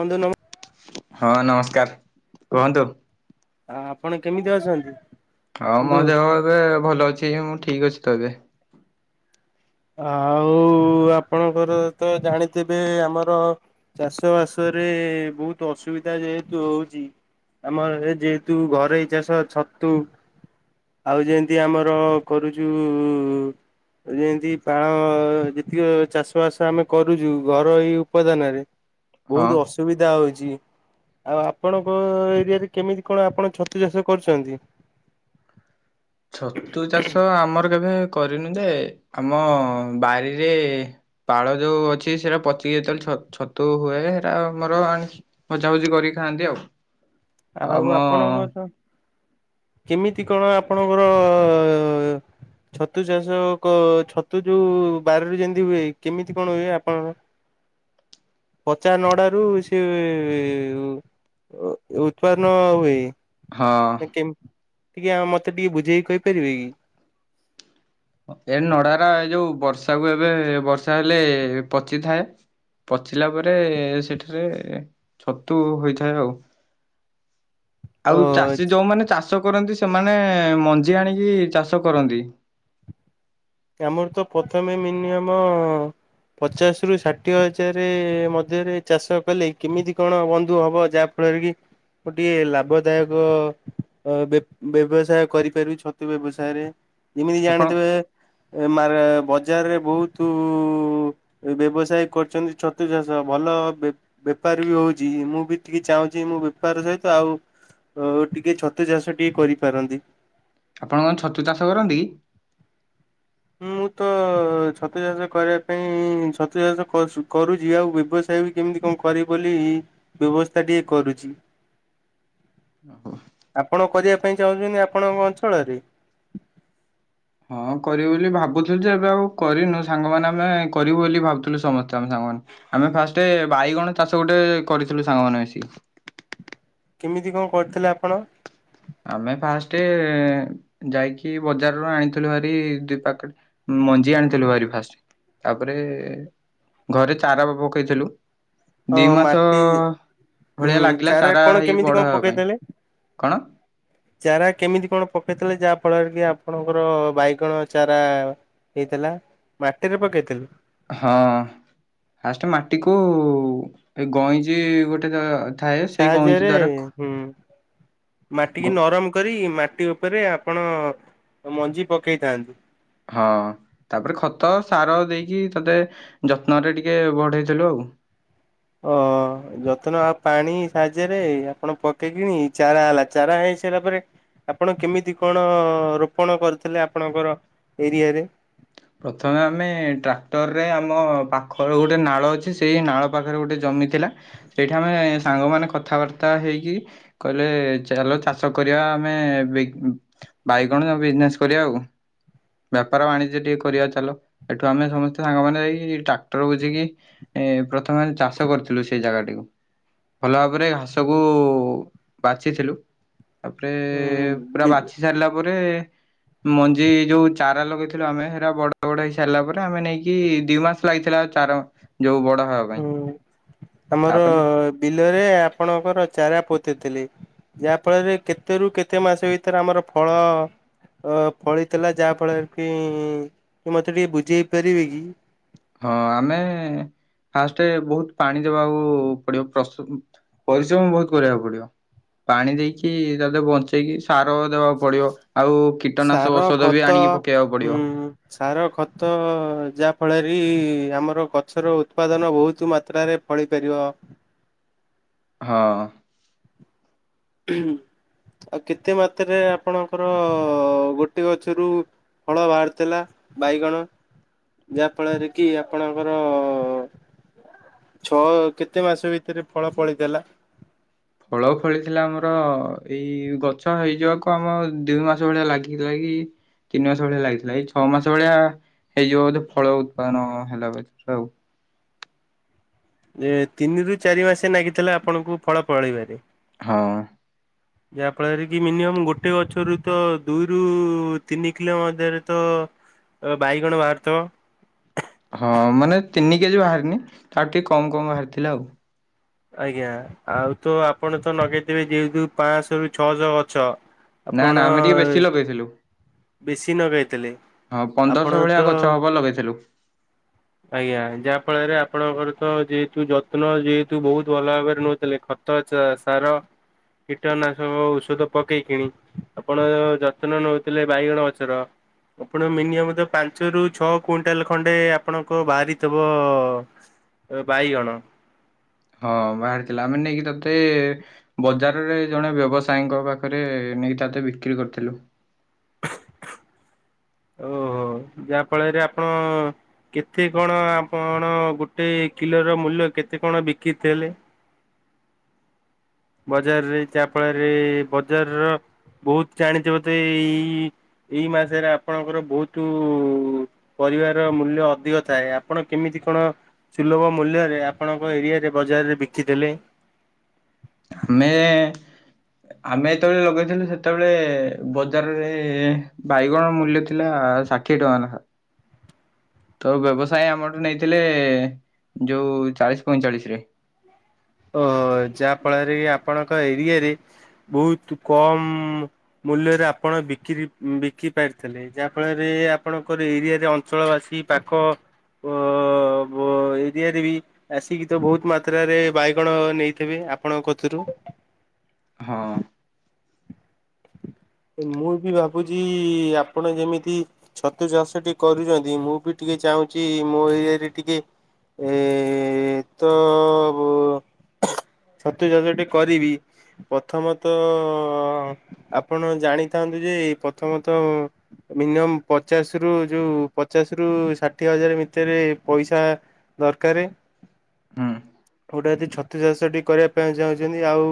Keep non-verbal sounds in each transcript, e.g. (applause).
ବନ୍ଧୁ ନମ ହଁ ନମସ୍କାର, କୁହନ୍ତୁ। ଆ ଆପଣ କେମିତି ଅଛନ୍ତି? ହଁ ମୋ ବନ୍ଧୁ? ଦେହ ଏବେ ଭଲ ଅଛି ମୁଁ ଠିକ୍ ଅଛି ତ ଏବେ। ଆଉ ଆପଣଙ୍କର ତ ଜାଣିଥିବେ ଆମର ଚାଷ ବାସ ରେ ବହୁତ ଅସୁବିଧା ଯେହେତୁ ହଉଚି। ଆମର ଏ ଯେହେତୁ ଘରୋଇ ଚାଷ ଛତୁ। ଆଉ ଯେମିତି ଆମର କରୁଛୁ ଯେମତି ତା ଅ ଯେତିକ ଚାଷ ବାସ ଆମେ କରୁଛୁ ଘରୋଇ ଉପାଦାନରେ ହଁ। ବହୁତ ଅସ ସୁବିଧା ହଉଛି। ଆଉ ଆପଣଙ୍କ ଏରିଆରେ କେମିତି କଣ ଆପଣ ଛତୁ ଚାଷ କରୁଛନ୍ତି? ଛତୁ ଚାଷ ଆମର କେବେ କରିନୁ ଯେ ଆମ ବାରିରେ ପାଳ ଯୋଉ ଅଛି ସେଟା ପଚିକି ଯେତେବେଳେ ଛ ଛତୁ ହୁଏ ସେଇଟା ଆମର ଆଣ ଭଜାଭୁଜି କରିକି ଖାଆନ୍ତି ଆଉ। ଆମ ଆଉ ଆପଣଙ୍କର ତ କେମିତି କଣ ଆପଣଙ୍କର ଛତୁ ଚାଷ କ ଛତୁ ଯୋଉ ବାରିରୁ ଯେମିତି ହୁଏ କେମିତି କଣ ହୁଏ ଆପଣଙ୍କ? (inaudible) ପଚା ନଡ଼ାରୁ ସେ ଉତ୍ପାନ ହୁଏଇ। ହଁ। କେମତି କା ମତେ ଟିକେ ବୁଝେଇକି କହିପାରିବେ କି? ଏ ନଡ଼ା ରା ଏ ଯୋଉ ବର୍ଷାକୁ ଏବେ ବର୍ଷା ହେଲେ ପଚିଥାଏ। ପଚିଲା ପରେ ସେଠାରେ ଛତୁ ହୋଇଥାଏ ଆଉ। ଆଉ ଅ ଚାଷୀ ଯୋଉମାନେ ଚାଷ କରନ୍ତି ସେମାନେ ମଞ୍ଜି ଆଣିକି ଚାଷ କରନ୍ତି। ଆମର ତ ପ୍ରଥମେ ମିନିଅମ ପଚାଶରୁ ଷାଠିଏ ହଜାର ମଧ୍ୟରେ ଚାଷ କଲେ କେମିତି କଣ ବନ୍ଧୁ ହବ ଯାହା ଫଳରେ କି ଗୋଟିଏ ଲାଭଦାୟକ ଅ ବ୍ୟବସାୟ କରିପାରିବି ଛତୁ ବ୍ୟବସାୟରେ ଯେମିତି ଆପଣ ଜାଣିଥିବେ ଏ ମା ରା ବଜାରରେ ବହୁତୁ ଏ ବ୍ୟବସାୟ କରୁଛନ୍ତି ଛତୁ ଚାଷ ଭଲ ବେ ବେପାର ବି ହଉଛି ମୁଁ ବି ଟିକେ ଚାହୁଁଛି ମୁଁ ବେପାର ସହିତ ଆଉ ଓ ଟିକେ ଛତୁ ଚାଷ ଟିକେ କରିପାରନ୍ତି। ଆପଣ କଣ ଛତୁ ଚାଷ କରନ୍ତି କି? ମୁଁ ତ ଛତୁ ଚାଷ କରିବା ପାଇଁ ଛତୁ ଚାଷ କଷୁ କରୁଛି ଆଉ ବ୍ୟବସାୟ ବି କେମିତି କଣ କରିବି ବୋଲି ବ୍ୟବସ୍ଥା ଟିକେ କରୁଛି। ଓହୋ। ଆପଣ କରିବା ପାଇଁ ଚାହୁଁଛନ୍ତି ଆପଣଙ୍କ ଅଞ୍ଚଳରେ? ହଁ କରିବୁ ବୋଲି ଭାବୁଥିଲୁ ଯେ ଏବେ ଆଉ କରିନୁ ସାଙ୍ଗମାନେ ଆମେ କରିବୁ ବୋଲି ଭାବୁଥିଲୁ ସମସ୍ତେ ଆମେ ସାଙ୍ଗମାନେ। ଆମେ ଫାଷ୍ଟେ ବାଇଗଣ ଚାଷ ଗୋଟେ କରିଥିଲୁ ସାଙ୍ଗମାନେ ମିଶିକି। କେମିତି କଣ କରିଥିଲେ ଆପଣ? ଆମେ ଫାଷ୍ଟ ଯାଇକି ବଜାରରୁ ଆଣିଥିଲୁ ହାରି ଦୁଇ ପ୍ୟାକେଟ ମଞ୍ଜି ଆଣିଥିଲୁ ଭାରି ଫାଷ୍ଟ ତାପରେ ଘରେ ଚାରା ବି ପକେଇଥିଲୁ। ଅ ଦି ମାସ ମାଟି ଅ ଉଁ ଭଳିଆ ଲାଗିଲା ଚାରା କଣ ହେଇ କେମିତି କଣ ବଡ଼ ହେବା ପାଇଁ ପକେଇଥିଲେ? କଣ? ଚାରା କେମିତି କଣ ପକେଇଥିଲେ ଯାହା ଆପଣ କି ଆପଣଙ୍କର ବାଇଗଣ ଚାରା ହେଇଥିଲା ମାଟିରେ ପକେଇଥିଲେ? ହଁ ଫାଷ୍ଟ ମାଟିକୁ ଏ ଗଇଁଚି ଗୋଟେ ଗ ଥାଏ ସେଇ କଇଂଚି ଦ୍ୱାରା ହୁଁ। ମାଟିିକି ନରମ କରିକି ମାଟି ଉପରେ ଆପଣ ମଞ୍ଜି ପକେଇଥାନ୍ତୁ। ହଁ ତାପରେ ଖତ ସାର ଦେଇକି ତତେ ଯତ୍ନରେ ଟିକେ ବଢେଇଥିଲୁ ଆଉ। ଅ ଯତ୍ନ ଆଉ ପାଣି ସାହାଯ୍ୟରେ ଆପଣ ପକେଇକିିନି ଚାରା ହେଲା ଚାରା ହେଇ ସାରିଲା ପରେ ଆପଣ କେମିତି କଣ ରୋପଣ କରିଥିଲେ ଆପଣଙ୍କର ଏରିଆରେ? ପ୍ରଥମେ ଆମେ ଟ୍ରାକ୍ଟରରେ ଆମ ପାଖର ଗୋଟେ ନାଳ ଅଛି ସେଇ ନାଳ ପାଖରେ ଗୋଟେ ଜମି ଥିଲା। ସେଇଠି ଆମେ ସାଙ୍ଗମାନେ କଥାବାର୍ତ୍ତା ହେଇକି କହିଲେ ଚାଲ ଚାଷ କରିବା ଆମେ (unintelligible) ବାଇଗଣ ବିଜନେସ କରିବା ଆଉ ବେପାର ବାଣିଜ୍ୟ ଟିକେ କରିବା ଚାଲ ଏଠୁ ଆମେ ସମସ୍ତେ ସାଙ୍ଗ ମାନେ ଯାଇକ ଟ୍ରାକ୍ଟର ବୁଝିକି ଏଁ ପ୍ରଥମେ ଚାଷ କରିଥିଲୁ ସେ ଜାଗାଟିକୁ ଭଲ ଭାବରେ ସବୁ ବାଛିଥିଲୁ ତାପରେ ହୁଁ ପୁରା ବି ବାଛି ସାରିଲା ପରେ ମଞ୍ଜି ଯୋଉ ଚାରା ଲଗେଇଥିଲୁ ଆମେ ବଡ ବଡ ହେଇ ସାରିଲା ପରେ ଆମେ ନେଇକି ଦି ମାସ ଲାଗିଥିଲା ଚାର ଯୋଉ ବଡ ହେବା ପାଇଁ ହୁଁ ଆମର ତାପରେ ବିଲରେ ଆପଣଙ୍କର ଚାରା ପୋତିଥିଲି। ଯାହା ଫଳରେ କେତେ ରୁ କେତେ ମାସ ଭିତରେ ଆମର ଫଳ ଅ ଫଳିଥିଲା ଯାହା ଫଳରେ କି ମତେ ଟିକେ ବୁଝେଇ ପାରିବେ କି? ହଁ ଆମେ ଫାଷ୍ଟେ ବହୁତ ପାଣି ଦବାକୁ ପଡିବ ପ୍ରସ୍ତୁତୁ ପରିଶ୍ରମ ବହୁତ କରିବାକୁ ପଡିବ। ପାଣି ଦେଇକି ତତେ ବଞ୍ଚେଇକି ସାର ଦେବାକୁ ପଡିବ ଆଉ କୀଟନାଶକ ସାର ଔଷଧ ବି ଖତ ଆଣିକି ପକେଇବାକୁ ହୁଁ ପଡ଼ିବ। ସାର ଖତ ଯାହାଫଳରେ ଆମର ଗଛର ଉତ୍ପାଦନ ବହୁତ ମାତ୍ରାରେ ଫଳି ପାରିବ। ହଁ। ଆଉ କେତେ ମାତ୍ରାରେ ଆପଣଙ୍କର ଗୋଟେ ଗଛରୁ (unintelligible) ଫଳ ବାହାରିଥିଲା ବାଇଗଣ ଯାହା ଫଳରେ କି ଆପଣଙ୍କର ଛଅ କେତେ ମାସ ଭିତରେ ଫଳ ଫଳିଥିଲା। ଫଳ ଫଳିଥିଲା ଆମର ଏଇ ଗଛ ହେଇଯିବାକୁ ଆମ ଦିଇ ମାସ ଭଳିଆ ଲାଗିଥିଲା କି (unintelligible) ତିନି ମାସ ଭଳିଆ ଲାଗିଥିଲା ଏଇ ଛଅ ମାସ ଭଳିଆ ହେଇଯିବ ବୋଧେ ଫଳ ଉତ୍ପାଦନ ହେଲା ବ ଆଉ। ଏ ତିନି ରୁ ଚାରି ମାସେ ଲାଗିଥିଲା ଆପଣଙ୍କୁ ଫଳ ଫଳେଇବାରେ। ହଁ। ଯାହା ଫଳରେ କି ମିନିୟମ ଗୋଟେ ଗଛରୁ ତ ଦୁଇରୁ ତିନି କିଲୋ ମଧ୍ୟରେ ତ ବାଇଗଣ ବାହାରୁଥବ। ହଁ ମାନେ ତିନି କେଜି ବାହାରିିନି ତାଠୁ ଟିକେ କମ କମ ବାହାରିଥିଲା ଆଉ। ଆଜ୍ଞା ଆଉ ତ ଆପଣ ତ ଲଗେଇଥିବେ ଯେହେତୁ ପାଞ୍ଚଶହରୁ ଛଅଶହ ଗଛ ନା ନା ଆପଣ ଆମେ ଟିକେ ବେଶୀ ଲଗେଇଥିଲୁ ବେଶୀ ନଗାଇଥିଲେ ହଁ ଆପଣ ପନ୍ଦରଶହ ଭଳିଆ ତ ଗଛ ହବ ଲଗେଇଥିଲୁ ଆଜ୍ଞା ଯାହା ଫଳରେ ଆପଣଙ୍କର ତ ଯେହେତୁ ଯତ୍ନ ଯେହେତୁ ବହୁତ ଭଲ ଭାବରେ ନଉଥିଲେ ଖତ ସାର କୀଟନାଶକ ଔଷଧ ପକେଇ କିଣି ଆପଣ ଯତ୍ନ ନେଉଥିଲେ ବାଇଗଣ ଗଛର ଆପଣ ମିନିଅମ ତ ପାଞ୍ଚରୁ ଛଅ କୁଇଣ୍ଟାଲ ଖଣ୍ଡେ ଆପଣଙ୍କ ବାହାରିିଥିବ ବାଇଗଣ ହଁ ବାହାରିଥିଲା ଆମେ ନେଇକି ତତେ ବଜାରରେ ଜଣେ ବ୍ୟବସାୟୀଙ୍କ ପାଖରେ ନେଇକି ତାତେ ବିକ୍ରି କରିଥିଲୁ। ଓହୋ ଯାହା ଫଳରେ ଆପଣ କେତେ କଣ ଆପଣ ଗୋଟେ କିଲୋର ମୂଲ୍ୟ କେତେ କଣ ବିକିଥିଲେ। ବଜାରରେ ଯାହାଫଳରେ ବଜାରର ବହୁତ ଜାଣିଥବତ ଏଇ ଏଇ ମାସରେ ଆପଣଙ୍କର ବହୁତ ପରିବାର ମୂଲ୍ୟ ଅଧିକ ଥାଏ ଆପଣ କେମିତି କଣ ସୁଲଭ ମୂଲ୍ୟରେ ଆପଣଙ୍କ ଏରିଆରେ ବଜାରରେ ବିକିଦେଲେ। ଆମେ। ଆମେ ଯେତେବେଳେ ଲଗେଇଥିଲୁ ସେତେବେଳେ ବଜାରରେ ବାଇଗଣ ମୂଲ୍ୟ ଥିଲା ଷା ଠିଏ ଟଙ୍କା ନେଖା। ତ ବ୍ୟବସାୟି ଆମଠୁ ନେଇଥିଲେ ଯୋଉ ଚାଳିଶ ପଇଁ ଚାଳିଶରେ। ଓ ହୋ ଯାହା ଫଳରେ କି ଆପଣଙ୍କ ଏରିଆରେ ବହୁତ କମ। ମୂଲ୍ୟରେ ଆପଣ ବିକ୍ରି ବିକି ପାରିଥିଲେ। ଯାହା ଫଳରେ ଆପଣଙ୍କର ଏରିଆରେ ଅଞ୍ଚଳ ବାସୀ ପାଖ। ଅ ବ ଏରିଆରେ ବି ଆସିକି ତ ବହୁତ ମାତ୍ରାରେ ବାଇ ଗଣ ନେଇଥିବେ ଆପଣ କତୁରୁ। ହଁ। ମୁଁ ବି ଭାବୁଛି ଆପଣ ଯେମିତି। ଛତୁ ଚାଷ ଟିକେ କରୁଛନ୍ତି ମୁଁ ବି ଟିକେ ଚାହୁଁଛି ମୋ ଏରିଆରେ ଟିକେ। ଏଁ ତ। ଛତୁ ଚାଷଟେ କରିବି। ପ୍ରଥମତଃ ଆପଣ ଜାଣିଥାନ୍ତୁ ଯେ ପ୍ରଥମତଃ। ମିନିଅମ ପଚାଶରୁ ଯୋଉ ପଚାଶରୁ ଷାଠିଏ ହଜାର ଭିତରେ ପଇସା। ଦରକାର ହୁଁ ଗୋଟା ଯଦି ଛତୁ ଚାଷଟି। କରିବା ପାଇଁ ଚାହୁଁଛନ୍ତି ଆଉ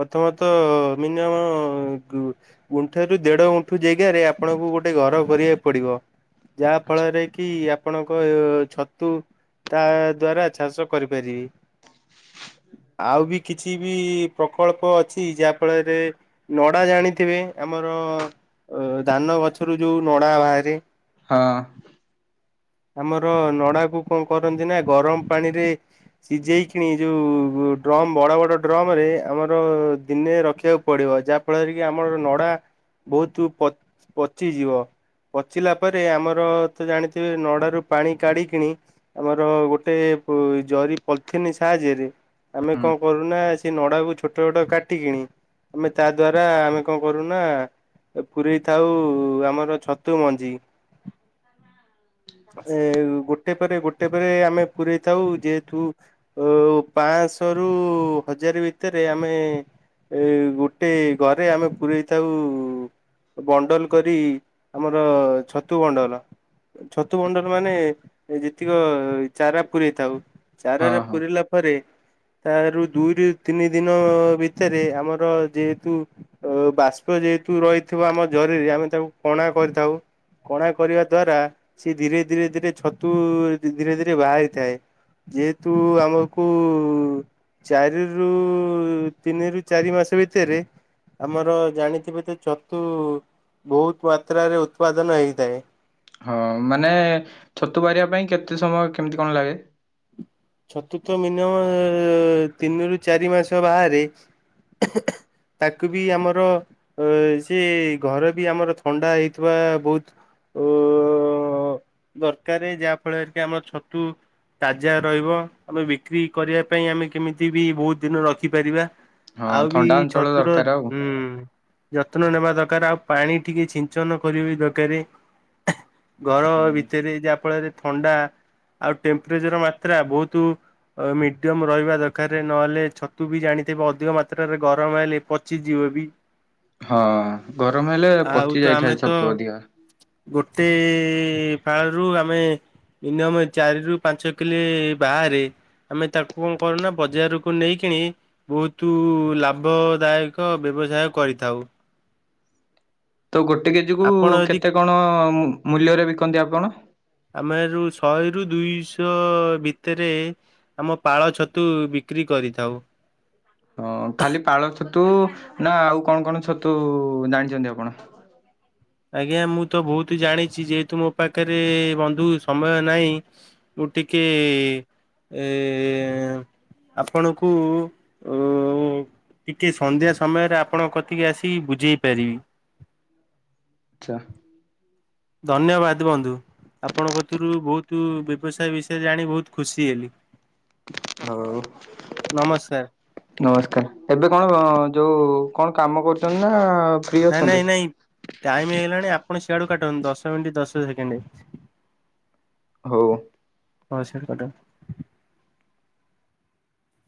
ପ୍ରଥମତଃ ମିନିଅମ ଗୁ ଗୁଣ୍ଠେ ରୁ ଦେଢ ଗୁଣ୍ଠୁ ଜେଗାରେ ଆପଣଙ୍କୁ ଗୋଟେ ଘର କରିବାକୁ ପଡିବ। ଯା ଆଚ୍ଛା ଫଳରେ କି ଆପ ଆପଣଙ୍କ ଏ ଛତୁ ତା ଦ୍ଵାରା ଚାଷ କରିପାରିବେ। ଆଉ ବି କିଛି ବି ପ୍ରକଳ୍ପ ଅଛି ଯାହା ଫଳରେ। ନଡା ଜାଣିଥିବେ ଆମର ଧାନ ଗଛରୁ ଯୋଉ ନଡା ବାହାରେ। ହଁ। ଆମର ନଡାକୁ କଣ କରନ୍ତି ନା ଗରମ ପାଣିରେ। ସିଝେଇ କିଣି ଯୋଉ ଡ୍ରମ୍ ବଡ଼ ବଡ଼ ଡ୍ରମରେ ଆମର ଦିନେ ରଖିବାକୁ ପଡ଼ିବ ଯା ଫଳରେ କି ଆମର ନଡା। ବହୁତ ପ ପଚି ଯିବ ପଚିଲା ପରେ ଆମର ତ ଜାଣିଥିବେ ନ ଡାରୁ ପାଣି କାଢିକିଣି ଆମର ଗୋଟେ ପୁ ଜରି ପଲଥିନି ସାହାଯ୍ୟରେ। ଆମେ ହୁଁ କଣ କରୁନା ସେ ନଡାକୁ ଛୋଟ ଛୋଟ କାଟିିକିଣି। ଆମେ ତା ଦ୍ଵାରା ଆମେ କଣ କରୁନା। ଏ ପୁରେଇ ଥାଉ ଆମର ଛତୁ ମଞ୍ଜି। ଏ ଗୋଟେ ପରେ ଗୋଟେ ପରେ ଆମେ ପରେଇ ଥାଉ ଯେହେତୁ। ଓ ପାଆଁଶ ରୁ ହଜାର ଭିତରେ ଆମେ। ଏ ଗୋଟେ ଘରେ ଆମେ ପୁରଇଥାଉ। ବଣ୍ଡଲ କରି ଆମର ଛତୁ ବଣ୍ଡଲ। ଛତୁ ବଣ୍ଡଳ ମାନେ ଯେତିକ ଚାରା ପୁରେଇ ଥାଉ ଚାରା ହଁ ରେ ହଁ ପୁରିଲା। ପରେ ତା ରୁ ଦୁଇ ରୁ ତିନି ଦିନ ଭିତରେ ଆମର ଯେହେତୁ। ଓ ବାଷ୍ପ ଯେହେତୁ ରହିଥିବ ଆମ ଜରିରେ ଆମେ ତାକୁ କଣା କରିଥାଉ। କଣା କରିବା ଦ୍ଵାରା ସିଏ ଧୀରେ ଧୀରେ ଧୀରେ ଛତୁ ଧୀରେ ଧୀରେ ବାହାରିଥାଏ। ଯେହେତୁ ଆମକୁ। ଚାରି ରୁ ତିନି ରୁ ଚାରି ମାସ ଭିତରେ। ଆମର ଜାଣିଥିବେ ତ ଛତୁ ବହୁତ ମାତ୍ରାରେ ଉତ୍ପାଦନ ହେଇଥାଏ। ହଁ ମାନେ ଛତୁ ବାହାରିବା ପାଇଁ କେତେ ସମୟ କେମିତି କଣ ଲାଗେ। ଛତୁ ତ ମିନିଅମ ତିନିରୁୁ ଚାରି ମାସ ବାହାରେ। ତାକୁ ବି ଆମର ସିଏ ଘର ବି ଆମର ଥଣ୍ଡା ହେଇଥିବା ବହୁତ। ଓ ଦରକାର ଯାହା ଫଳରେ କି ଆମର ଛତୁ ତାଜା। ରହିବ ଆମେ ବିକ୍ରି କରିବା ପାଇଁ ଆମେ କେମିତି ବି ବହୁତ ଦିନ ରଖିପାରିବା। ହଁ ଆଉ ବି ଥଣ୍ଡା ଅଞ୍ଚଳ ଛତୁର ଦରକାର ଆଉ ଉଁ। ଯତ୍ନ ନେବା ଦକାର ଆଉ ପାଣି ଟିକେ ଛିଞ୍ଚନ କରିବା ବି ଦକାରେ। ଗରମ ଭିତରେ ଯଦି ଆପଣ ଯଦି ଥଣ୍ଡା ଆଉ ଟେମ୍ପରେଚର ମା ତ୍ରା ବହୁତୁ ମିଡିୟମ ରହିବା ଦରକାର, ନହେଲେ ଛତୁ ବି ଜାଣିଥିବ ଅଧିକ ମାତ୍ରାରେ ଗରମ ହେଲେ ପଚିଯିବ ବି। ହଁ ଗରମ ହେଲେ ଆଉ ପଚି ତ ଆମେ ଯାଇଥାଏ ତ ଛତୁ ଅଧିକା। ଗୋଟେ ଫାଳରୁ ଆମେ ମିନିୟମ ଚାରିରୁ ପାଞ୍ଚ କିଲେ ବାହାରେ, ଆମେ ତାକୁ କଣ କରୁନା ବଜାରକୁ ନେଇକିରି ବହୁତୁ ଲାଭଦାୟକ ବ୍ୟବସାୟ କରିଥାଉ। ତ ଗୋଟେ କେଜିକୁ ଆପଣ ଯଦି କେତେ କଣ ମୂ-ମୂଲ୍ୟରେ ବିକନ୍ତି ଆପଣ? ଆମ ହେରୁ ଶହେରୁ ଦୁଇଶ (unintelligible) ଭିତରେ ଆମ ପାଳ ଛତୁ ବିକ୍ରି କରିଥାଉ। ହଁ ଖାଲି ପାଳ ଛତୁ ନା ଆଉ କଣ କଣ ଛତୁ ଜାଣିଛନ୍ତି ଆପଣ? ଆଜ୍ଞା ମୁଁ ତ ବହୁତୁ ଜାଣିଚି, ଯେହେତୁ ମୋ ପାଖରେ ବନ୍ଧୁ ସମୟ ନାହିଁ ଫୁଟିକି ଏ ଆପଣଙ୍କୁ (unintelligible) ଟିକେ ସନ୍ଧ୍ୟା ସମୟରେ ଆପଣଙ୍କ କତିକି ଆସିକି ବୁଝେଇ ପାରିବି। (unintelligible) ଧନ୍ୟବାଦ ବନ୍ଧୁ। ଆପଣଙ୍କ କତିରୁ ବହୁତୁ ବ୍ୟବସାୟ ବିଷୟରେ ଜାଣି ବହୁତ ଖୁସି ହେଲି। ଆଉ। ନମସ୍କାର। ନମସ୍କାର। ଏବେ କଣ ଯୋଉ କଣ କାମ କରୁଛନ୍ତି ନା ଫ୍ରି ନାଇଁ ଅଛନ୍ତି? ନାଇଁ ନାଇଁ ଟାଇମ ହେଇଗଲାଣି ଆପଣ ସିଆଡୁ କାଟନ୍ତୁ, ଦଶ ମିନିଟ ଦଶ ସେକେଣ୍ଡେ। ହଉ। ହଁ ସିଆଡୁ କାଟନ୍ତୁ।